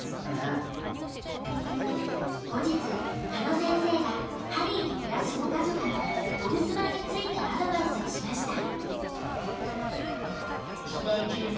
後日鹿野先生がハリーと暮らすご家族にお留守番についてアドバイスをしました。